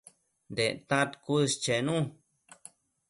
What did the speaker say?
Dectad cuës chenu